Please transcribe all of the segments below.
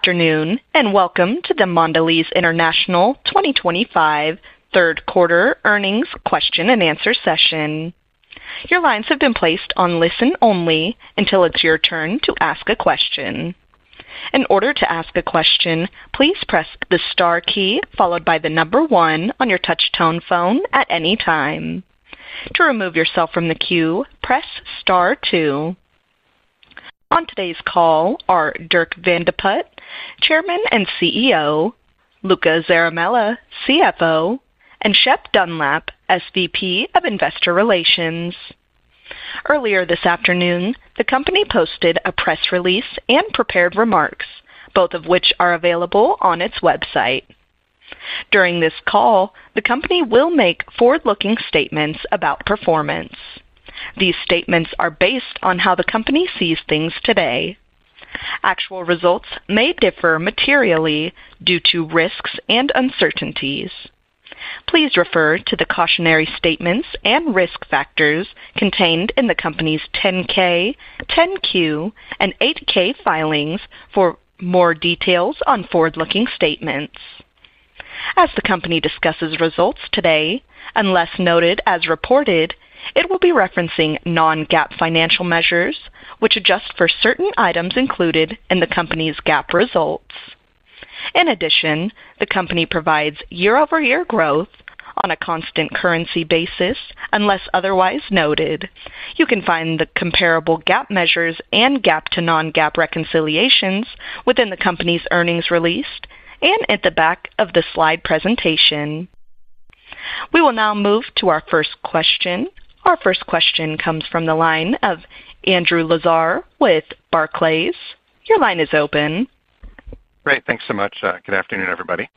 Afternoon and welcome to the Mondelēz International 2025 third quarter earnings question and answer Session. Your lines have been placed on Listen Only until it's your turn to ask a question. In order to ask a question, please press the star key followed by the number one on your touch-tone phone at any time. To remove yourself from the queue, press star two. On today's call are Dirk Van de Put, Chairman and CEO, Luca Zaramella, CFO, and Shep Dunlap, SVP of Investor Relations. Earlier this afternoon, the company posted a press release and prepared remarks, both of which are available on its website. During this call, the company will make forward-looking statements about performance. These statements are based on how the company sees things today. Actual results may differ materially due to risks and uncertainties. Please refer to the cautionary statements and risk factors contained in the company's 10-K, 10-Q, and 8-K filings for more details on forward-looking statements. As the company discusses results today, unless noted as reported, it will be referencing non-GAAP financial measures, which adjust for certain items included in the company's GAAP results. In addition, the company provides year-over-year growth on a constant currency basis unless otherwise noted. You can find the comparable GAAP measures and GAAP to non-GAAP reconciliations within the company's earnings release and at the back of the slide presentation. We will now move to our first question. Our first question comes from the line of Andrew Lazar with Barclays. Your line is open. Great. Thanks so much. Good afternoon, everybody.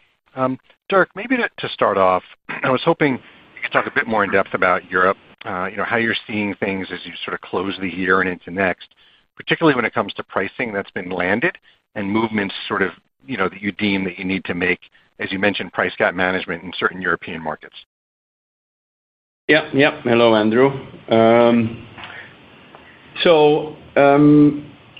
Dirk, maybe to start off, I was hoping you could talk a bit more in depth about Europe, how you're seeing things as you sort of close the year and into next, particularly when it comes to pricing that's been landed and movements that you deem that you need to make, as you mentioned, price gap management in certain European markets. Hello, Andrew.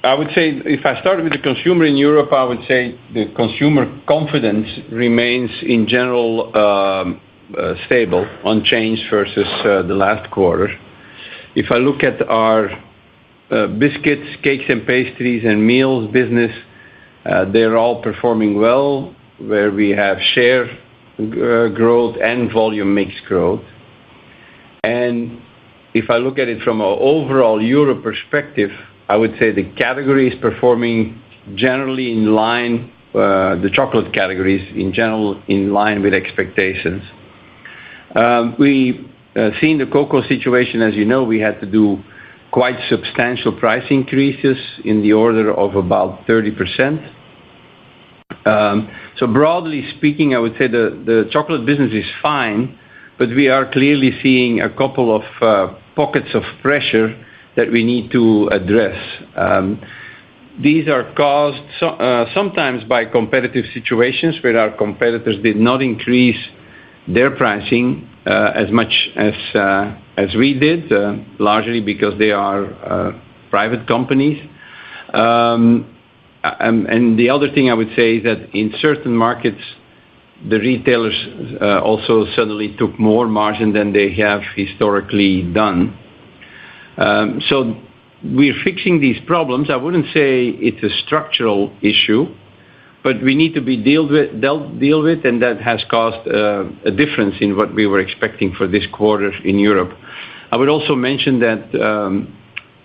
I would say if I start with the consumer in Europe, the consumer confidence remains in general stable, unchanged versus the last quarter. If I look at our biscuits, cakes, and pastries, and meals business, they're all performing well, where we have share growth and volume mix growth. If I look at it from an overall Europe perspective, the category is performing generally in line, the chocolate categories in general, in line with expectations. We've seen the cocoa situation. As you know, we had to do quite substantial price increases in the order of about 30%. Broadly speaking, the chocolate business is fine, but we are clearly seeing a couple of pockets of pressure that we need to address. These are caused sometimes by competitive situations where our competitors did not increase their pricing as much as we did, largely because they are private companies. The other thing I would say is that in certain markets, the retailers also suddenly took more margin than they have historically done. We're fixing these problems. I wouldn't say it's a structural issue, but we need to deal with it, and that has caused a difference in what we were expecting for this quarter in Europe. I would also mention that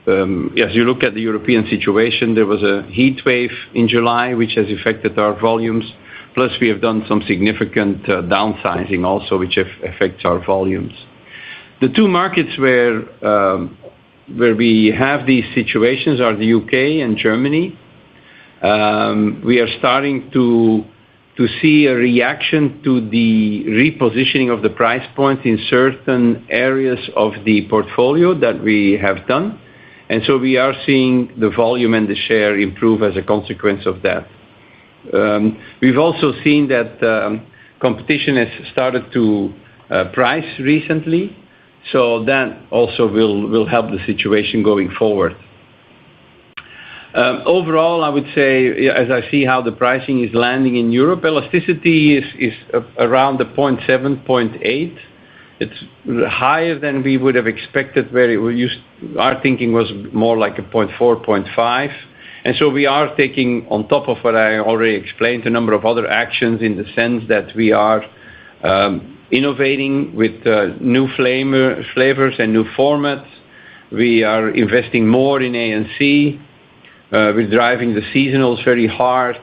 as you look at the European situation, there was a heat wave in July, which has affected our volumes. Plus, we have done some significant downsizing also, which affects our volumes. The two markets where we have these situations are the U.K. and Germany. We are starting to see a reaction to the repositioning of the price points in certain areas of the portfolio that we have done, and we are seeing the volume and the share improve as a consequence of that. We've also seen that competition has started to price recently. That also will help the situation going forward. Overall, as I see how the pricing is landing in Europe, elasticity is around the 0.7, 0.8. It's higher than we would have expected, where our thinking was more like a 0.4, 0.5. We are taking, on top of what I already explained, a number of other actions in the sense that we are innovating with new flavors and new formats. We are investing more in A and C. We're driving the seasonals very hard.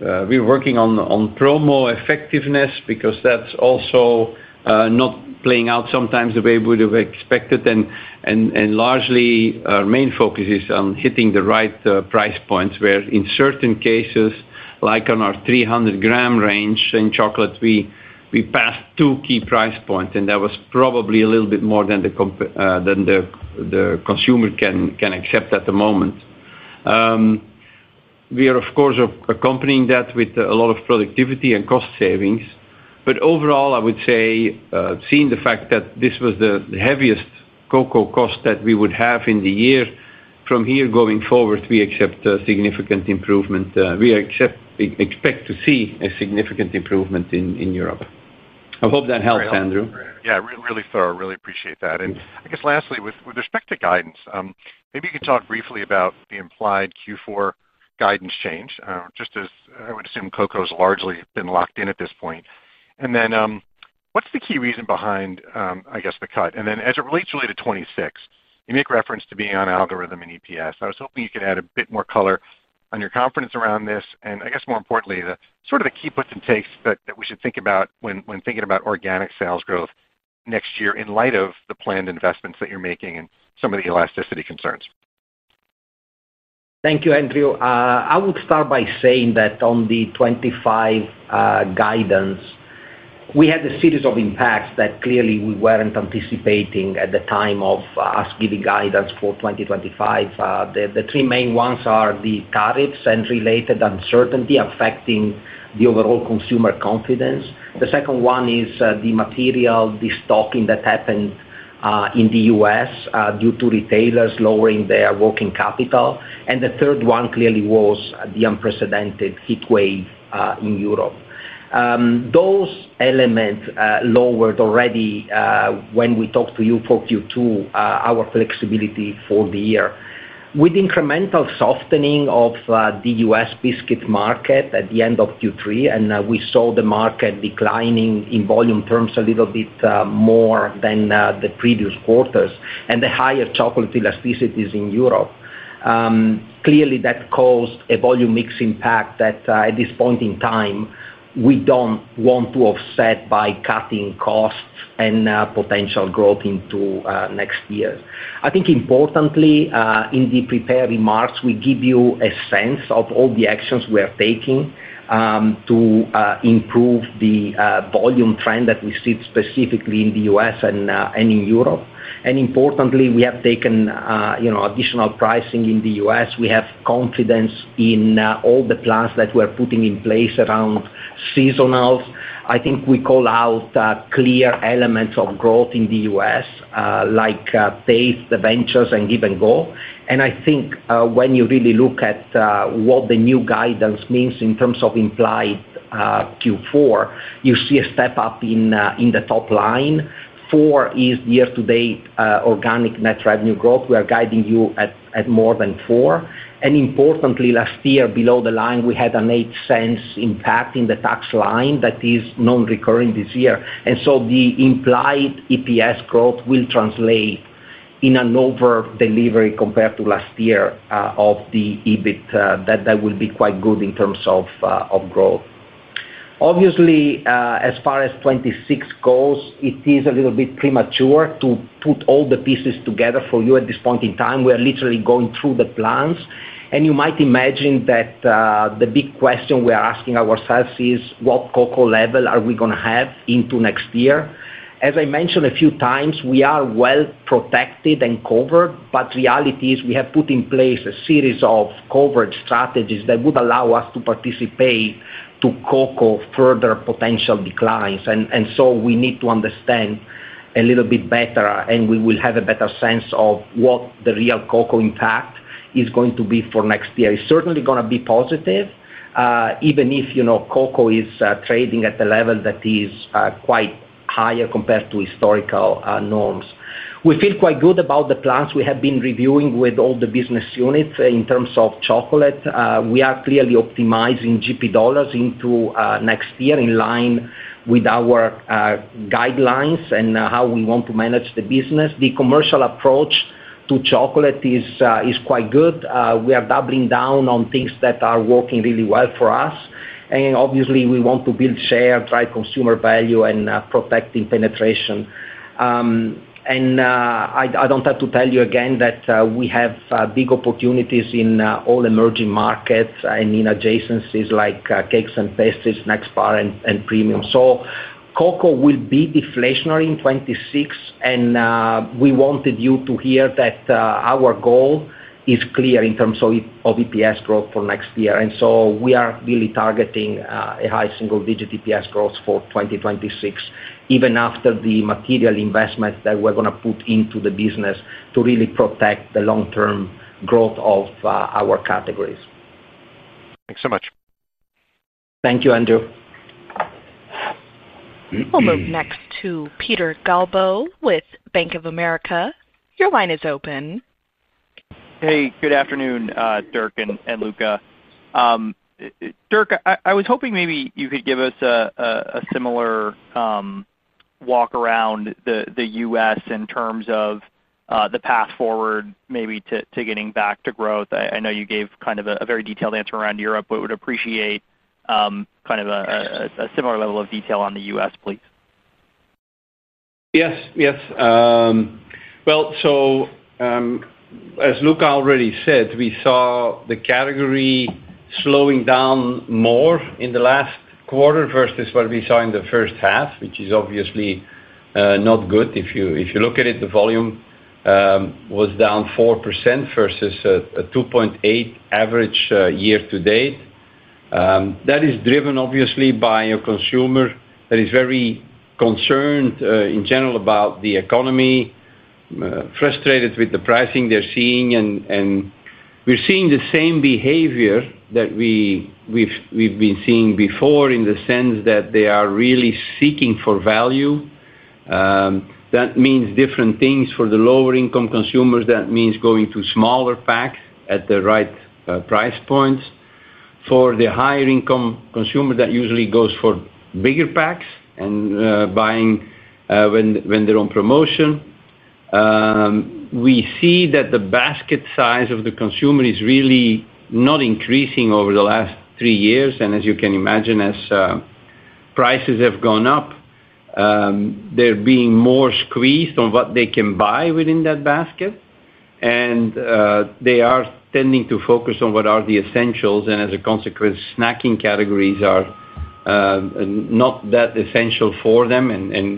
We're working on promo effectiveness because that's also not playing out sometimes the way we would have expected. Largely, our main focus is on hitting the right price points, where in certain cases, like on our 300-g range in chocolate, we passed two key price points. That was probably a little bit more than the consumer can accept at the moment. We are, of course, accompanying that with a lot of productivity and cost savings. Overall, I would say seeing the fact that this was the heaviest cocoa cost that we would have in the year, from here going forward, we expect significant improvement. We expect to see a significant improvement in Europe. I hope that helps, Andrew. Yeah, really thorough. Really appreciate that. I guess lastly, with respect to guidance, maybe you could talk briefly about the implied Q4 guidance change, just as I would assume cocoa has largely been locked in at this point. What's the key reason behind, I guess, the cut? As it relates really to 2026, you make reference to being on algorithm and EPS. I was hoping you could add a bit more color on your confidence around this. I guess more importantly, the sort of the key puts and takes that we should think about when thinking about organic sales growth next year in light of the planned investments that you're making and some of the elasticity concerns. Thank you, Andrew. I would start by saying that on the 2025 guidance, we had a series of impacts that clearly we weren't anticipating at the time of us giving guidance for 2025. The three main ones are the tariffs and related uncertainty affecting the overall consumer confidence. The second one is the material destocking that happened in the U.S. due to retailers lowering their working capital. The third one clearly was the unprecedented heat wave in Europe. Those elements lowered already, when we talked to you for Q2, our flexibility for the year. With incremental softening of the U.S. biscuit market at the end of Q3, we saw the market declining in volume terms a little bit more than the previous quarters, and the higher chocolate elasticities in Europe, clearly that caused a volume mix impact that at this point in time, we don't want to offset by cutting costs and potential growth into next year. Importantly, in the prepared remarks, we give you a sense of all the actions we are taking to improve the volume trend that we see specifically in the U.S. and in Europe. Importantly, we have taken additional pricing in the U.S. We have confidence in all the plans that we're putting in place around seasonals. I think we call out clear elements of growth in the U.S., like taste, adventures, and give and go. When you really look at what the new guidance means in terms of implied Q4, you see a step up in the top line. Four is the year-to-date organic net revenue growth. We are guiding you at more than 4%. Importantly, last year, below the line, we had a $0.08 impact in the tax line that is non-recurring this year. The implied EPS growth will translate in an over-delivery compared to last year of the EBIT that will be quite good in terms of growth. Obviously, as far as 2026 goes, it is a little bit premature to put all the pieces together for you at this point in time. We are literally going through the plans. You might imagine that the big question we are asking ourselves is what cocoa level are we going to have into next year. As I mentioned a few times, we are well protected and covered, but reality is we have put in place a series of coverage strategies that would allow us to participate to cocoa further potential declines. We need to understand a little bit better, and we will have a better sense of what the real cocoa impact is going to be for next year. It's certainly going to be positive, even if cocoa is trading at a level that is quite higher compared to historical norms. We feel quite good about the plans we have been reviewing with all the business units in terms of chocolate. We are clearly optimizing GP dollars into next year in line with our guidelines and how we want to manage the business. The commercial approach to chocolate is quite good. We are doubling down on things that are working really well for us. Obviously, we want to build share, drive consumer value, and protect penetration. I don't have to tell you again that we have big opportunities in all emerging markets and in adjacencies like cakes and pastries, Nexpar, and premium. Cocoa will be deflationary in 2026, and we wanted you to hear that our goal is clear in terms of EPS growth for next year. We are really targeting a high single-digit EPS growth for 2026, even after the material investments that we're going to put into the business to really protect the long-term growth of our categories. Thanks so much. Thank you, Andrew. We'll move next to Peter Galbo with Bank of America. Your line is open. Hey, good afternoon, Dirk and Luca. Dirk, I was hoping maybe you could give us a similar walk around the U.S. in terms of the path forward maybe to getting back to growth. I know you gave kind of a very detailed answer around Europe, but would appreciate kind of a similar level of detail on the U.S., please. Yes, yes. As Luca already said, we saw the category slowing down more in the last quarter versus what we saw in the first half, which is obviously not good. If you look at it, the volume was down 4% versus a 2.8% average year to date. That is driven obviously by a consumer that is very concerned in general about the economy, frustrated with the pricing they're seeing. We're seeing the same behavior that we've been seeing before in the sense that they are really seeking for value. That means different things for the lower-income consumers. That means going to smaller packs at the right price points. For the higher-income consumers, that usually goes for bigger packs and buying when they're on promotion. We see that the basket size of the consumer is really not increasing over the last three years. As you can imagine, as prices have gone up, they're being more squeezed on what they can buy within that basket. They are tending to focus on what are the essentials. As a consequence, snacking categories are not that essential for them.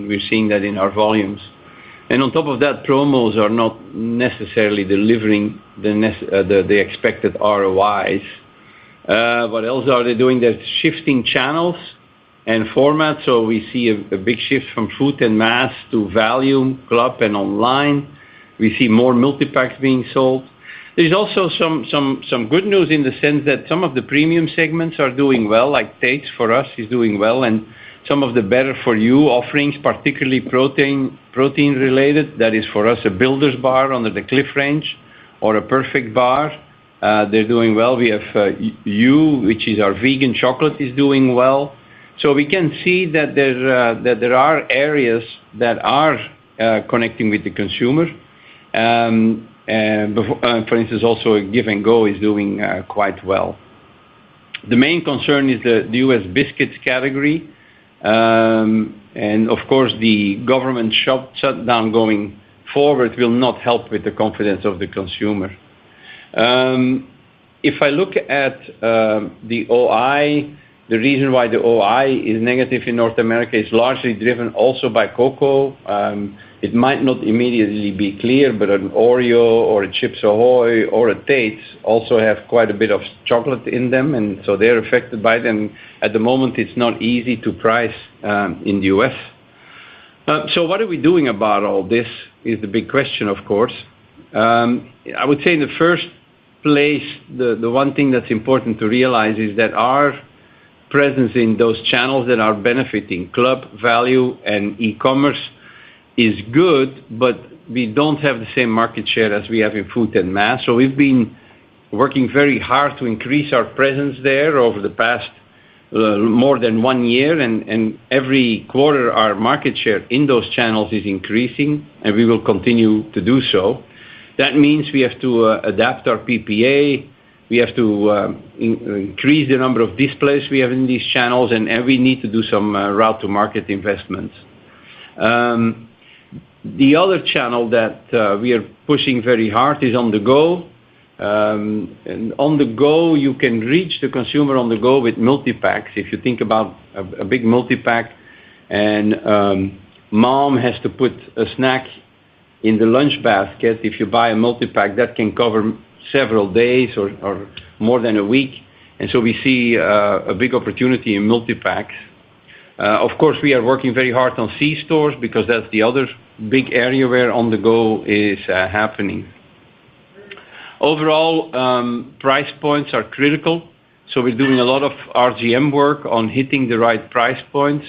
We're seeing that in our volumes. On top of that, promos are not necessarily delivering the expected ROIs. What else are they doing? They're shifting channels and formats. We see a big shift from food and mass to value club and online. We see more multipacks being sold. There's also some good news in the sense that some of the premium segments are doing Tate's for us is doing well, and some of the better-for-you offerings, particularly protein-related. That is for us a Builder's Bar under the Clif Bar range or a Perfect Bar. They're doing well. We have Hu, which is our vegan chocolate, is doing well. We can see that there are areas that are connecting with the consumer. For instance, also Give & Go is doing quite well. The main concern is the U.S. biscuits category. Of course, the government shutdown going forward will not help with the confidence of the consumer. If I look at the OI, the reason why the OI is negative in North America is largely driven also by cocoa. It might not immediately be clear, but an Oreo or a Chips Ahoy Tate's also have quite a bit of chocolate in them. They're affected by it. At the moment, it's not easy to price in the U.S. What are we doing about all this is the big question, of course. I would say in the first place, the one thing that's important to realize is that our presence in those channels that are benefiting club, value, and e-commerce is good, but we don't have the same market share as we have in food and mass. We've been working very hard to increase our presence there over the past more than one year. Every quarter, our market share in those channels is increasing, and we will continue to do so. That means we have to adapt our PPA. We have to increase the number of displays we have in these channels, and we need to do some route-to-market investments. The other channel that we are pushing very hard is on the go. On the go, you can reach the consumer on the go with multipacks. If you think about a big multipack and mom has to put a snack in the lunch basket, if you buy a multipack, that can cover several days or more than a week. We see a big opportunity in multipacks. Of course, we are working very hard on C stores because that's the other big area where on the go is happening. Overall, price points are critical. We're doing a lot of RGM work on hitting the right price points.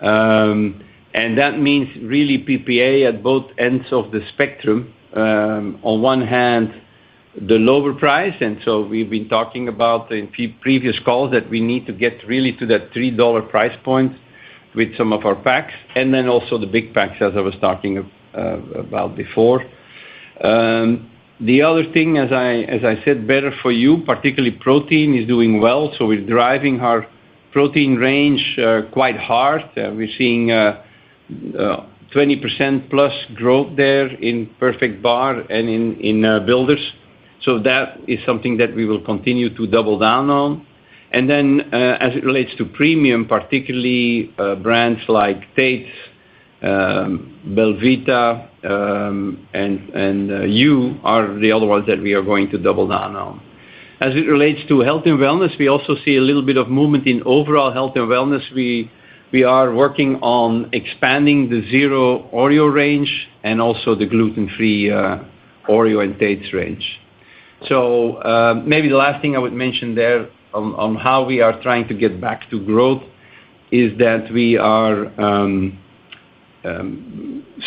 That means really PPA at both ends of the spectrum. On one hand, the lower price. We've been talking about in previous calls that we need to get really to that $3 price point with some of our packs, and then also the big packs as I was talking about before. The other thing, as I said, better-for-you, particularly protein is doing well. We're driving our protein range quite hard. We're seeing 20%+ growth there in Perfect Bar and in Builders. That is something that we will continue to double down on. As it relates to premium, particularly Tate's, belVita, and Hu are the other ones that we are going to double down on. As it relates to health and wellness, we also see a little bit of movement in overall health and wellness. We are working on expanding the zero Oreo range and also the gluten-free Oreo and Tate's range. Maybe the last thing I would mention there on how we are trying to get back to growth is that we are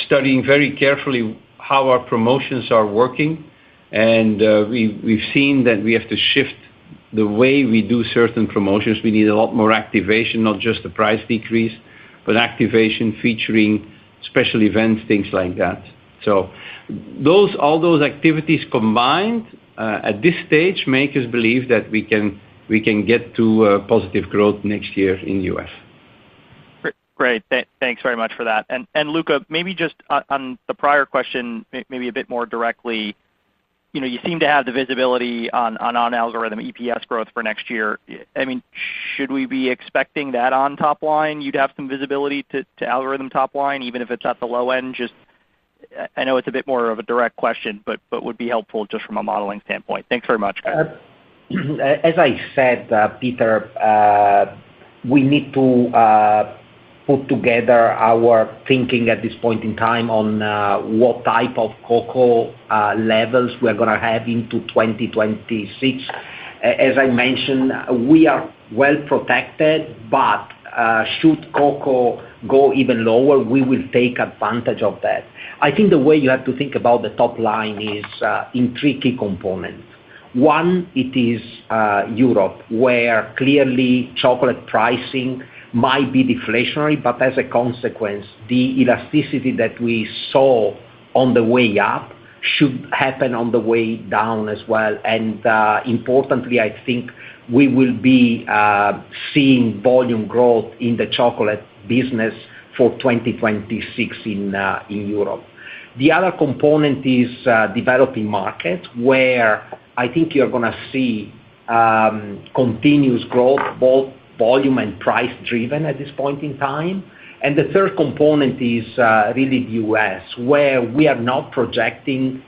studying very carefully how our promotions are working. We've seen that we have to shift the way we do certain promotions. We need a lot more activation, not just a price decrease, but activation featuring special events, things like that. All those activities combined at this stage make us believe that we can get to positive growth next year in the U.S. Great. Thanks very much for that. Luca, maybe just on the prior question, maybe a bit more directly, you seem to have the visibility on algorithm EPS growth for next year. I mean, should we be expecting that on top line? You'd have some visibility to algorithm top line, even if it's at the low end. I know it's a bit more of a direct question, but would be helpful just from a modeling standpoint. Thanks very much. As I said, Peter, we need to put together our thinking at this point in time on what type of cocoa levels we are going to have into 2026. As I mentioned, we are well protected, but should cocoa go even lower, we will take advantage of that. I think the way you have to think about the top line is in three key components. One, it is Europe, where clearly chocolate pricing might be deflationary, but as a consequence, the elasticity that we saw on the way up should happen on the way down as well. Importantly, I think we will be seeing volume growth in the chocolate business for 2026 in Europe. The other component is developing markets, where I think you're going to see continuous growth, both volume and price driven at this point in time. The third component is really the U.S., where we are not projecting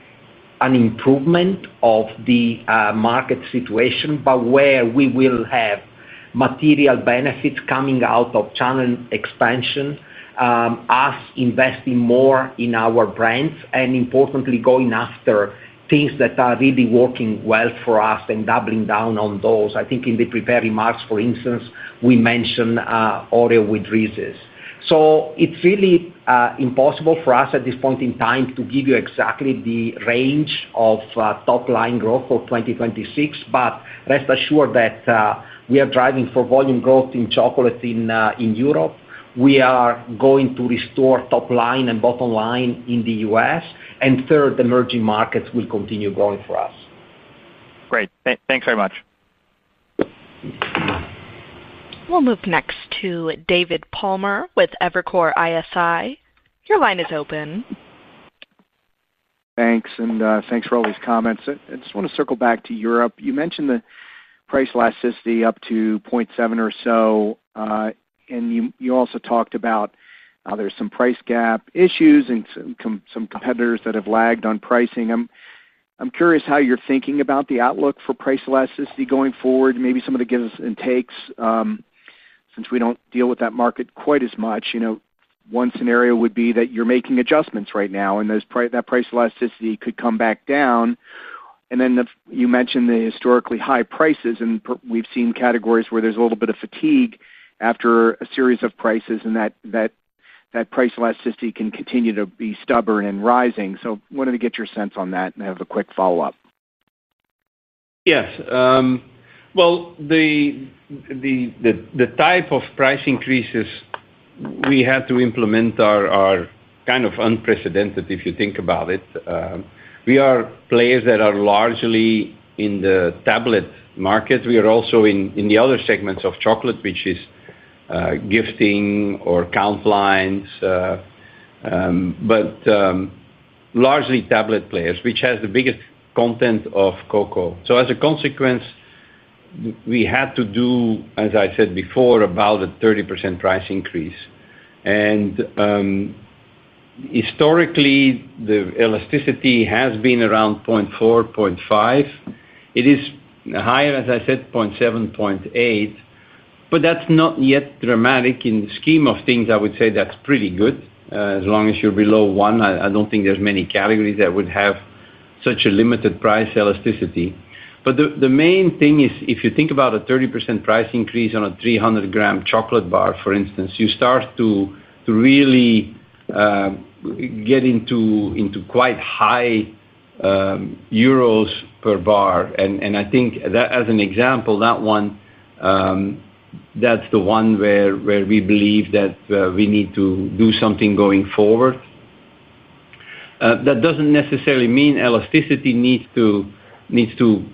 an improvement of the market situation, but where we will have material benefits coming out of channel expansion, us investing more in our brands, and importantly, going after things that are really working well for us and doubling down on those. I think in the prepared remarks, for instance, we mentioned Oreo with Reese's. It is really impossible for us at this point in time to give you exactly the range of top line growth for 2026, but rest assured that we are driving for volume growth in chocolates in Europe. We are going to restore top line and bottom line in the U.S., and emerging markets will continue growing for us. Great, thanks very much. We'll move next to David Palmer with Evercore ISI. Your line is open. Thanks. Thanks for all these comments. I just want to circle back to Europe. You mentioned the price elasticity up to 0.7 or so. You also talked about how there's some price gap issues and some competitors that have lagged on pricing. I'm curious how you're thinking about the outlook for price elasticity going forward, maybe some of the gives and takes. Since we don't deal with that market quite as much, you know one scenario would be that you're making adjustments right now and that price elasticity could come back down. You mentioned the historically high prices, and we've seen categories where there's a little bit of fatigue after a series of prices, and that price elasticity can continue to be stubborn and rising. I wanted to get your sense on that and have a quick follow-up. Yes. The type of price increases we had to implement are kind of unprecedented, if you think about it. We are players that are largely in the tablet market. We are also in the other segments of chocolate, which is gifting or count lines, but largely tablet players, which has the biggest content of cocoa. As a consequence, we had to do, as I said before, about a 30% price increase. Historically, the elasticity has been around 0.4, 0.5. It is higher, as I said, 0.7, 0.8. That's not yet dramatic. In the scheme of things, I would say that's pretty good. As long as you're below one, I don't think there's many categories that would have such a limited price elasticity. The main thing is, if you think about a 30% price increase on a 300-g chocolate bar, for instance, you start to really get into quite high euros per bar. I think that, as an example, that one, that's the one where we believe that we need to do something going forward. That doesn't necessarily mean elasticity needs to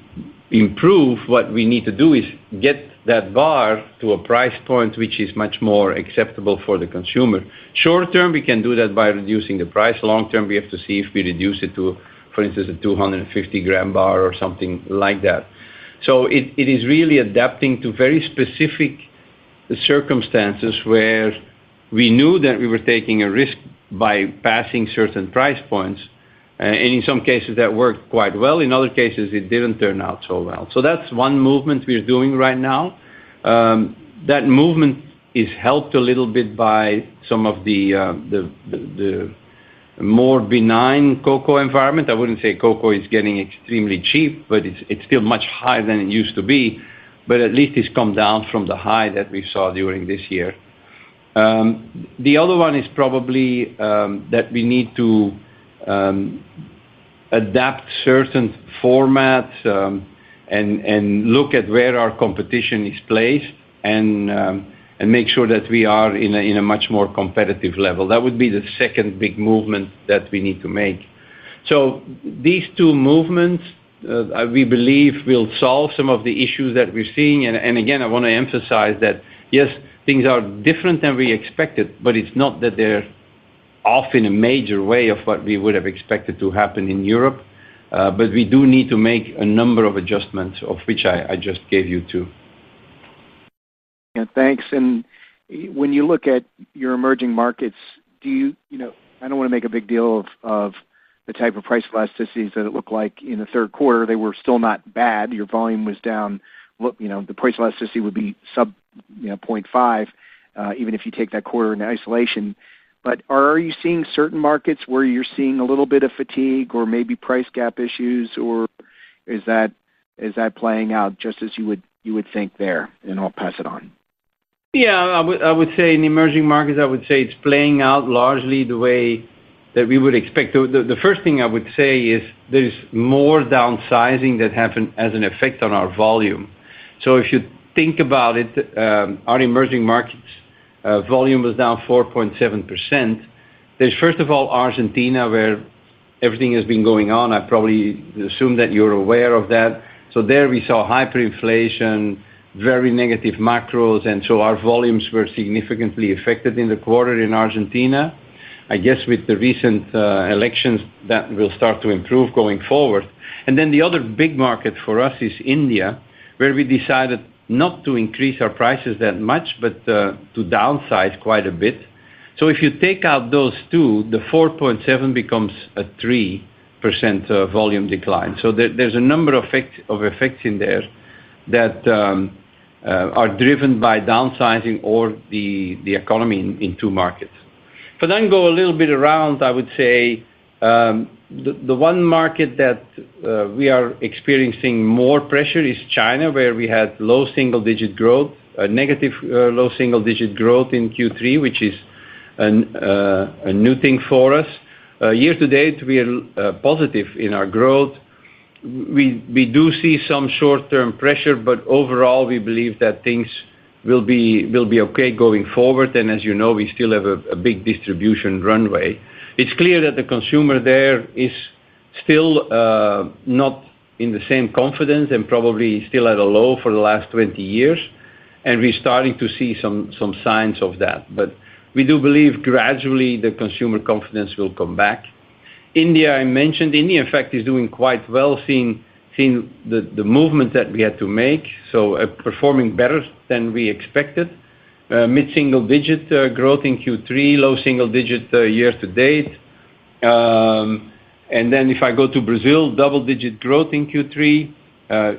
improve. What we need to do is get that bar to a price point which is much more acceptable for the consumer. Short term, we can do that by reducing the price. Long term, we have to see if we reduce it to, for instance, a 250-g bar or something like that. It is really adapting to very specific circumstances where we knew that we were taking a risk by passing certain price points. In some cases, that worked quite well. In other cases, it didn't turn out so well. That's one movement we're doing right now. That movement is helped a little bit by some of the more benign cocoa environment. I wouldn't say cocoa is getting extremely cheap, but it's still much higher than it used to be. At least it's come down from the high that we saw during this year. The other one is probably that we need to adapt certain formats and look at where our competition is placed and make sure that we are in a much more competitive level. That would be the second big movement that we need to make. These two movements we believe will solve some of the issues that we're seeing. Again, I want to emphasize that, yes, things are different than we expected, but it's not that they're often a major way of what we would have expected to happen in Europe. We do need to make a number of adjustments of which I just gave you two. Thank you. When you look at your emerging markets, I don't want to make a big deal of the type of price elasticities that it looked like in the third quarter. They were still not bad. Your volume was down. The price elasticity would be sub-0.5, even if you take that quarter in isolation. Are you seeing certain markets where you're seeing a little bit of fatigue or maybe price gap issues, or is that playing out just as you would think there? I'll pass it on. Yeah, I would say in the emerging markets, it's playing out largely the way that we would expect. The first thing I would say is there's more downsizing that happened as an effect on our volume. If you think about it, our emerging markets' volume was down 4.7%. First of all, Argentina, where everything has been going on. I probably assume that you're aware of that. There we saw hyperinflation, very negative macros, and our volumes were significantly affected in the quarter in Argentina. I guess with the recent elections, that will start to improve going forward. The other big market for us is India, where we decided not to increase our prices that much, but to downsize quite a bit. If you take out those two, the 4.7% becomes a 3% volume decline. There are a number of effects in there that are driven by downsizing or the economy in two markets. If you go a little bit around, the one market that we are experiencing more pressure is China, where we had low single-digit growth, a negative low single-digit growth in Q3, which is a new thing for us. Year to date, we are positive in our growth. We do see some short-term pressure, but overall, we believe that things will be okay going forward. As you know, we still have a big distribution runway. It's clear that the consumer there is still not in the same confidence and probably still at a low for the last 20 years. We're starting to see some signs of that. We do believe gradually the consumer confidence will come back. India, I mentioned, in fact, is doing quite well seeing the movement that we had to make, so performing better than we expected. Mid-single-digit growth in Q3, low single-digit year to date. If I go to Brazil, double-digit growth in Q3,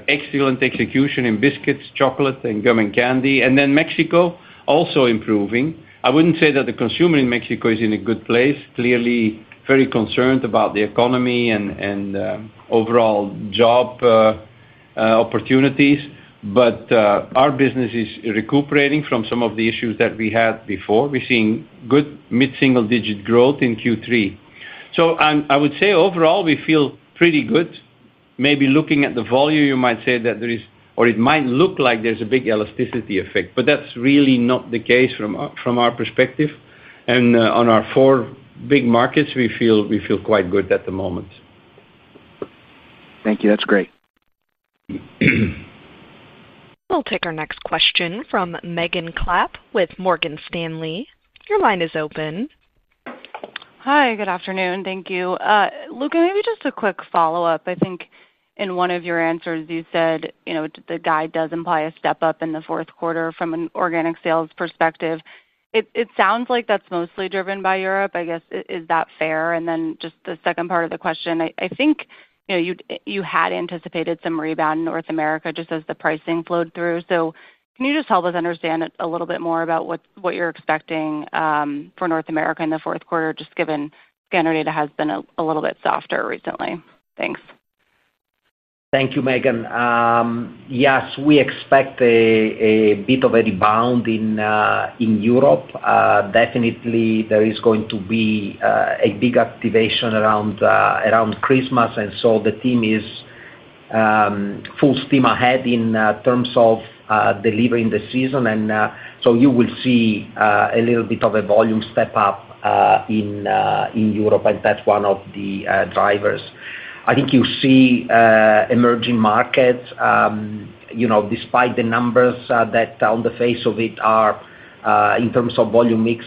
excellent execution in biscuits, chocolate, and gum and candy. Mexico also improving. I wouldn't say that the consumer in Mexico is in a good place, clearly very concerned about the economy and overall job opportunities, but our business is recuperating from some of the issues that we had before. We're seeing good mid-single-digit growth in Q3. Overall, we feel pretty good. Maybe looking at the volume, you might say that there is, or it might look like there's a big elasticity effect, but that's really not the case from our perspective. On our four big markets, we feel quite good at the moment. Thank you. That's great. We'll take our next question from Megan Clapp with Morgan Stanley. Your line is open. Hi, good afternoon. Thank you. Luca, maybe just a quick follow-up. I think in one of your answers, you said the guide does imply a step up in the fourth quarter from an organic sales perspective. It sounds like that's mostly driven by Europe. I guess, is that fair? Then just the second part of the question, I think you had anticipated some rebound in North America just as the pricing flowed through. Can you just help us understand a little bit more about what you're expecting for North America in the fourth quarter, just given scanner data has been a little bit softer recently? Thanks. Thank you, Megan. Yes, we expect a bit of a rebound in Europe. Definitely, there is going to be a big activation around Christmas, and the team is full steam ahead in terms of delivering the season. You will see a little bit of a volume step up in Europe, and that's one of the drivers. I think you see emerging markets, you know, despite the numbers that on the face of it are in terms of volume mix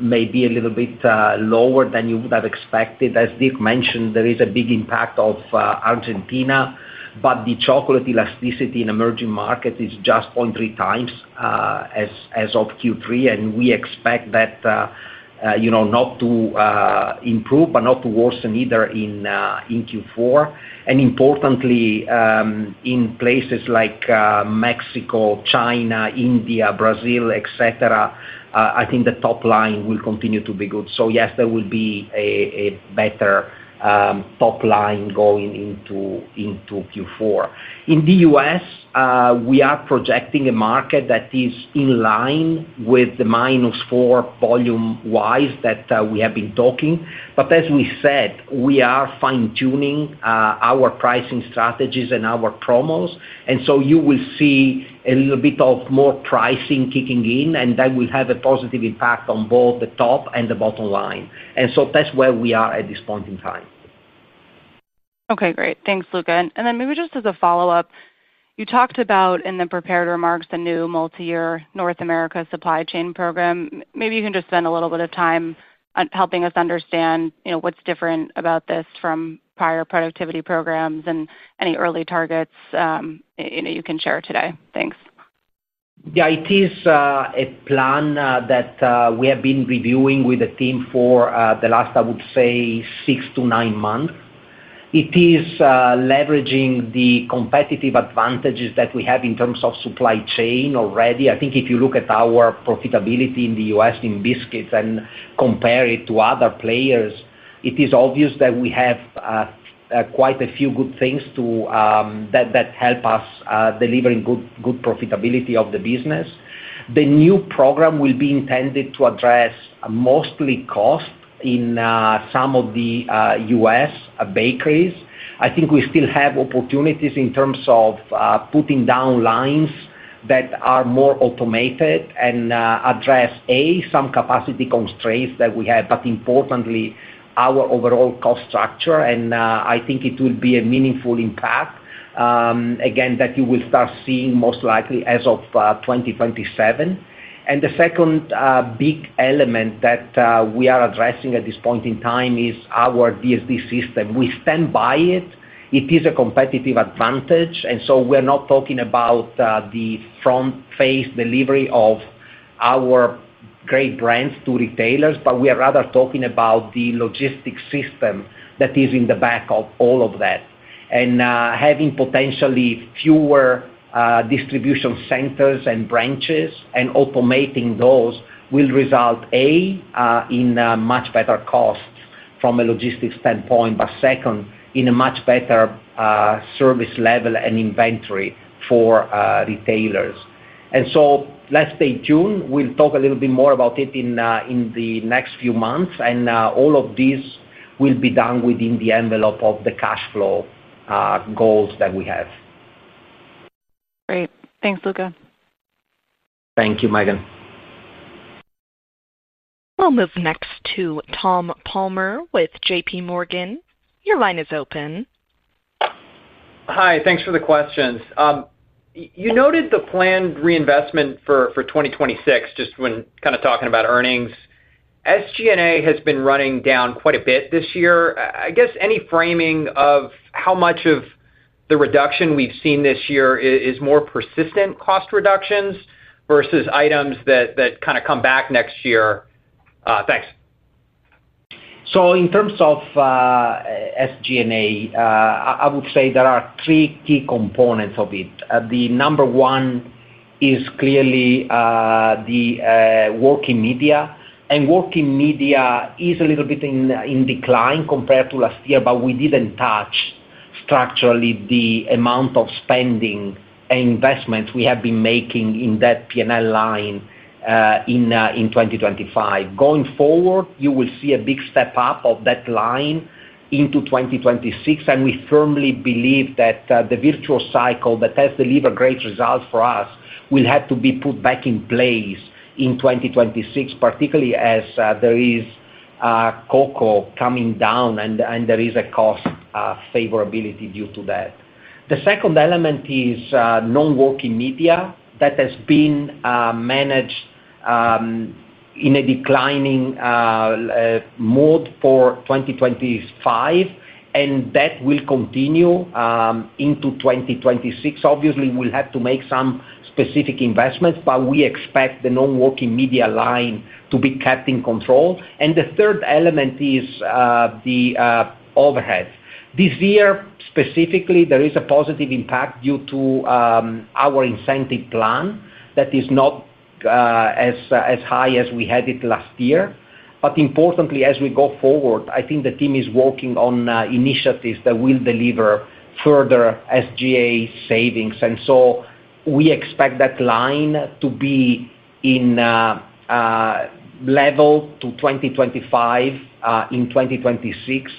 may be a little bit lower than you would have expected. As Dirk Van de Put mentioned, there is a big impact of Argentina, but the chocolate elasticity in emerging markets is just 0.3x as of Q3. We expect that, you know, not to improve, but not to worsen either in Q4. Importantly, in places like Mexico, China, India, Brazil, etc., I think the top line will continue to be good. Yes, there will be a better top line going into Q4. In the U.S., we are projecting a market that is in line with the -4% volume-wise that we have been talking. As we said, we are fine-tuning our pricing strategies and our promos. You will see a little bit of more pricing kicking in, and that will have a positive impact on both the top and the bottom line. That's where we are at this point in time. Okay, great. Thanks, Luca. Maybe just as a follow-up, you talked about in the prepared remarks the new multi-year North America supply chain program. Maybe you can just spend a little bit of time helping us understand what's different about this from prior productivity programs and any early targets you can share today. Thanks. Yeah, it is a plan that we have been reviewing with the team for the last, I would say, six to nine months. It is leveraging the competitive advantages that we have in terms of supply chain already. I think if you look at our profitability in the U.S. in biscuits and compare it to other players, it is obvious that we have quite a few good things that help us delivering good profitability of the business. The new program will be intended to address mostly cost in some of the U.S. bakeries. I think we still have opportunities in terms of putting down lines that are more automated and address, A, some capacity constraints that we have, but importantly, our overall cost structure. I think it will be a meaningful impact, again, that you will start seeing most likely as of 2027. The second big element that we are addressing at this point in time is our DSD system. We stand by it. It is a competitive advantage. We're not talking about the front-faced delivery of our great brands to retailers, but we are rather talking about the logistics system that is in the back of all of that. Having potentially fewer distribution centers and branches and automating those will result, A, in much better costs from a logistics standpoint, but second, in a much better service level and inventory for retailers. Let's stay tuned. We'll talk a little bit more about it in the next few months. All of this will be done within the envelope of the cash flow goals that we have. Great. Thanks, Luca. Thank you, Megan. We'll move next to Tom Palmer with JPMorgan. Your line is open. Hi, thanks for the questions. You noted the planned reinvestment for 2026, just when kind of talking about earnings. SG&A has been running down quite a bit this year. I guess any framing of how much of the reduction we've seen this year is more persistent cost reductions versus items that kind of come back next year? Thanks. In terms of SG&A, I would say there are three key components of it. The number one is clearly the working media. Working media is a little bit in decline compared to last year, but we didn't touch structurally the amount of spending and investments we have been making in that P&L line in 2025. Going forward, you will see a big step up of that line into 2026. We firmly believe that the virtual cycle that has delivered great results for us will have to be put back in place in 2026, particularly as there is cocoa coming down and there is a cost favorability due to that. The second element is non-working media that has been managed in a declining mode for 2025, and that will continue into 2026. Obviously, we'll have to make some specific investments, but we expect the non-working media line to be kept in control. The third element is the overhead. This year, specifically, there is a positive impact due to our incentive plan that is not as high as we had it last year. Importantly, as we go forward, I think the team is working on initiatives that will deliver further SG&A savings. We expect that line to be leveled to 2025 in 2026,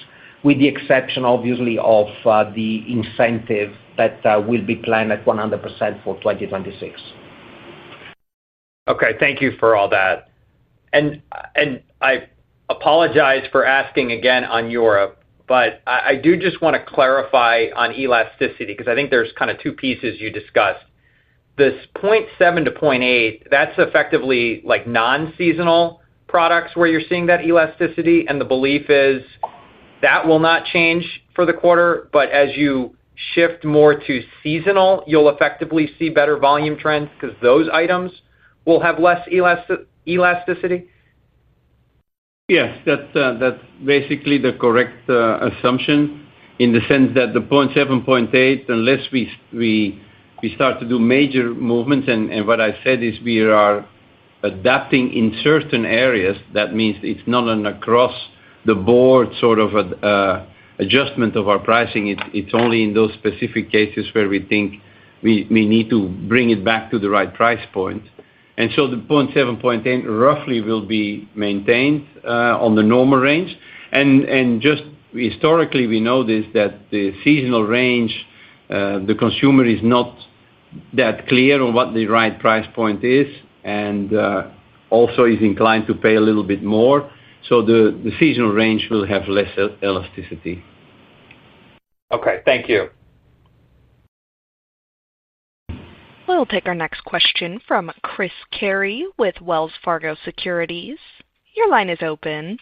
with the exception, obviously, of the incentive that will be planned at 100% for 2026. Okay, thank you for all that. I apologize for asking again on Europe, but I do just want to clarify on elasticity because I think there's kind of two pieces you discussed. This 0.7 to 0.8, that's effectively like non-seasonal products where you're seeing that elasticity. The belief is that will not change for the quarter, but as you shift more to seasonal, you'll effectively see better volume trends because those items will have less elasticity. Yes, that's basically the correct assumption in the sense that the 0.7, 0.8, unless we start to do major movements, and what I said is we are adapting in certain areas. That means it's not an across-the-board sort of adjustment of our pricing. It's only in those specific cases where we think we need to bring it back to the right price point. The 0.7, 0.8 roughly will be maintained on the normal range. Historically, we noticed that the seasonal range, the consumer is not that clear on what the right price point is and also is inclined to pay a little bit more. The seasonal range will have less elasticity. Okay, thank you. We'll take our next question from Chris Carey with Wells Fargo Securities. Your line is open.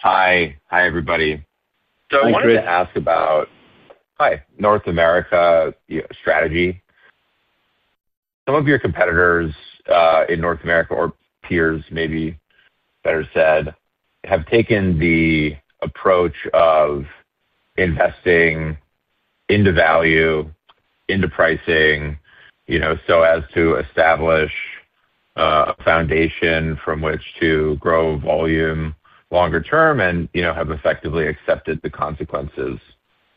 Hi, everybody. Thanks, Chris. I wanted to ask about North America strategy. Some of your competitors in North America or peers, maybe better said, have taken the approach of investing into value, into pricing, to establish a foundation from which to grow volume longer term and have effectively accepted the consequences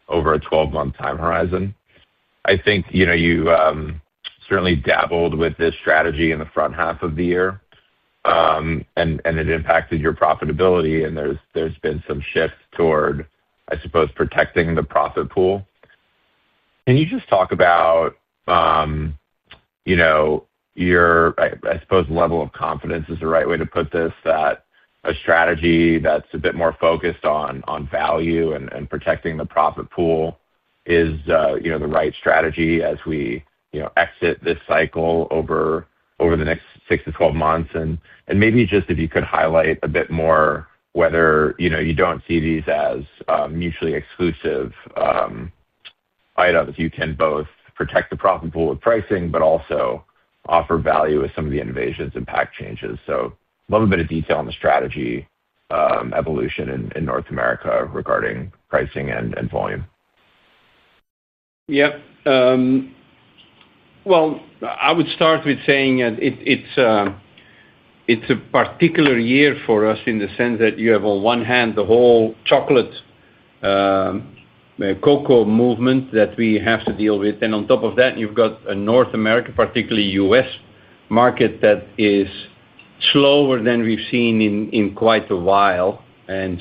over a 12-month time horizon. I think you certainly dabbled with this strategy in the front half of the year, and it impacted your profitability. There's been some shift toward, I suppose, protecting the profit pool. Can you just talk about your, I suppose, level of confidence is the right way to put this, that a strategy that's a bit more focused on value and protecting the profit pool is the right strategy as we exit this cycle over the next 6 to 12 months? Maybe just if you could highlight a bit more whether you don't see these as mutually exclusive items. You can both protect the profit pool with pricing, but also offer value with some of the innovations and pack changes. A little bit of detail on the strategy evolution in North America regarding pricing and volume. I would start with saying that it's a particular year for us in the sense that you have, on one hand, the whole chocolate cocoa movement that we have to deal with. On top of that, you've got a North America, particularly U.S. market that is slower than we've seen in quite a while. At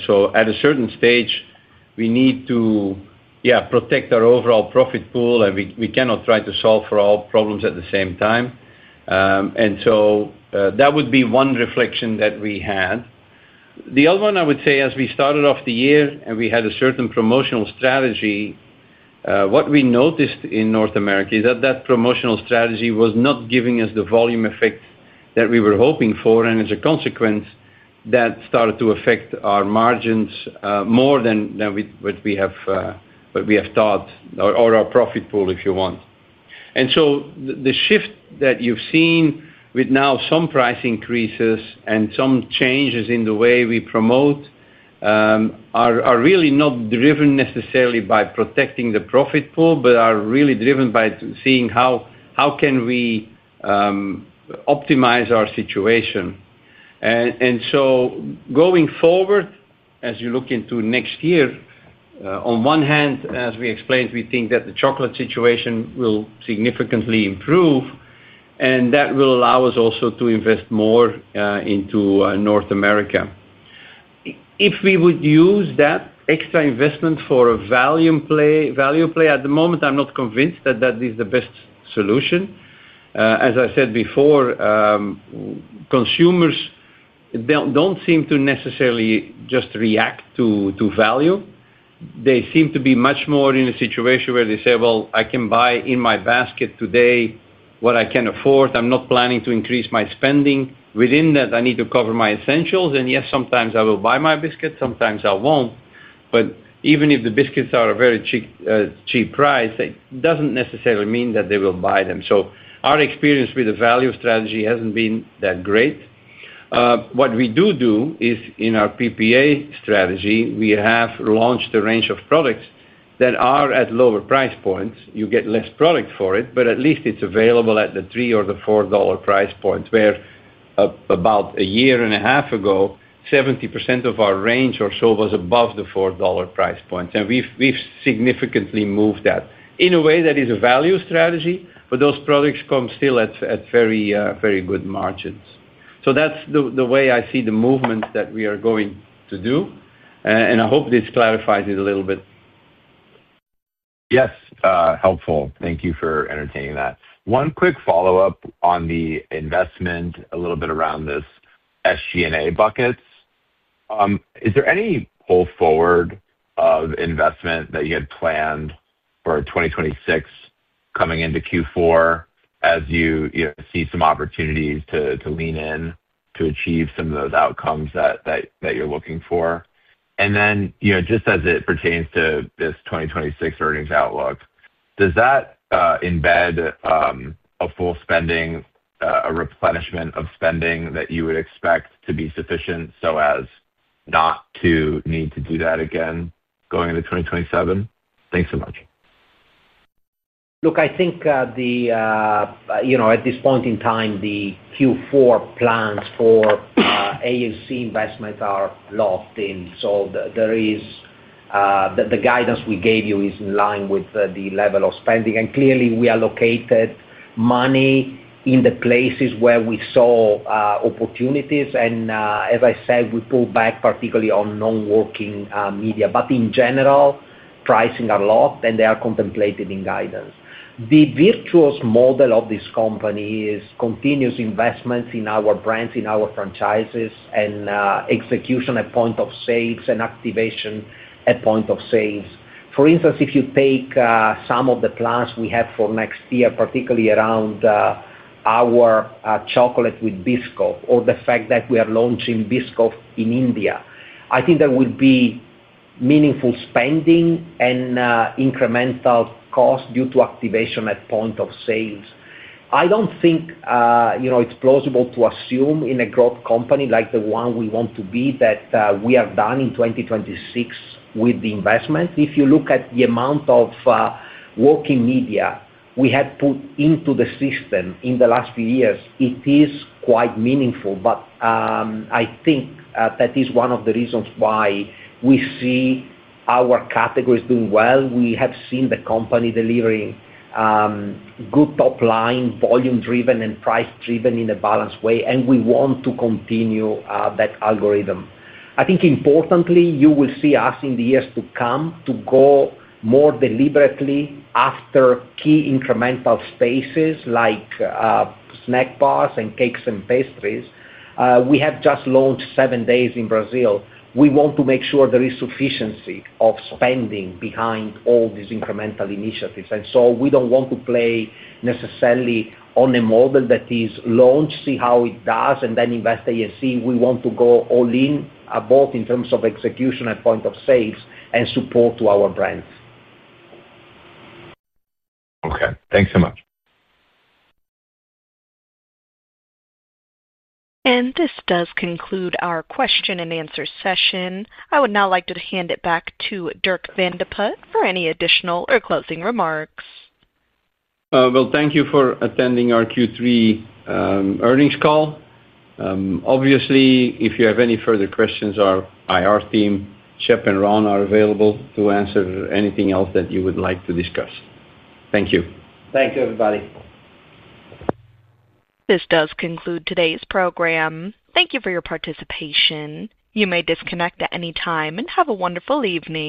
a certain stage, we need to protect our overall profit pool, and we cannot try to solve for all problems at the same time. That would be one reflection that we had. The other one I would say, as we started off the year and we had a certain promotional strategy, what we noticed in North America is that that promotional strategy was not giving us the volume effect that we were hoping for. As a consequence, that started to affect our margins more than what we have thought or our profit pool, if you want. The shift that you've seen with now some price increases and some changes in the way we promote are really not driven necessarily by protecting the profit pool, but are really driven by seeing how can we optimize our situation. Going forward, as you look into next year, on one hand, as we explained, we think that the chocolate situation will significantly improve, and that will allow us also to invest more into North America. If we would use that extra investment for a value play, at the moment, I'm not convinced that that is the best solution. As I said before, consumers don't seem to necessarily just react to value. They seem to be much more in a situation where they say, I can buy in my basket today what I can afford. I'm not planning to increase my spending. Within that, I need to cover my essentials. Yes, sometimes I will buy my biscuits, sometimes I won't. Even if the biscuits are a very cheap price, it doesn't necessarily mean that they will buy them. Our experience with the value strategy hasn't been that great. What we do do is in our PPA strategy, we have launched a range of products that are at lower price points. You get less product for it, but at least it's available at the $3 or the $4 price point, where about a year and a half ago, 70% of our range or so was above the $4 price point. We've significantly moved that in a way that is a value strategy, but those products come still at very, very good margins. That's the way I see the movement that we are going to do. I hope this clarifies it a little bit. Yes, helpful. Thank you for entertaining that. One quick follow-up on the investment a little bit around this SG&A buckets. Is there any pull forward of investment that you had planned for 2026 coming into Q4 as you see some opportunities to lean in to achieve some of those outcomes that you're looking for? Just as it pertains to this 2026 earnings outlook, does that embed a full spending, a replenishment of spending that you would expect to be sufficient so as not to need to do that again going into 2027? Thanks so much. Look, I think at this point in time, the Q4 plans for AUC investments are locked in. The guidance we gave you is in line with the level of spending. Clearly, we allocated money in the places where we saw opportunities. As I said, we pulled back particularly on non-working media. In general, pricing is locked and they are contemplated in guidance. The virtuous model of this company is continuous investments in our brands, in our franchises, and execution at point of sales and activation at point of sales. For instance, if you take some of the plans we have for next year, particularly around our chocolate with Biscoff or the fact that we are launching Biscoff in India, I think there will be meaningful spending and incremental costs due to activation at point of sales. I don't think it's plausible to assume in a growth company like the one we want to be that we are done in 2026 with the investment. If you look at the amount of working media we have put into the system in the last few years, it is quite meaningful. I think that is one of the reasons why we see our categories doing well. We have seen the company delivering good top line, volume-driven, and price-driven in a balanced way. We want to continue that algorithm. Importantly, you will see us in the years to come go more deliberately after key incremental spaces like snack bars and cakes and pastries. We have just launched seven days in Brazil. We want to make sure there is sufficiency of spending behind all these incremental initiatives. We don't want to play necessarily on a model that is launch, see how it does, and then invest A and C. We want to go all in, both in terms of execution at point of sales and support to our brands. Okay, thanks so much. This does conclude our question and answer session. I would now like to hand it back to Dirk Van de Put for any additional or closing remarks. Thank you for attending our Q3 earnings call. If you have any further questions, our IR team, Shep and Ron, are available to answer anything else that you would like to discuss. Thank you. Thank you, everybody. This does conclude today's program. Thank you for your participation. You may disconnect at any time and have a wonderful evening.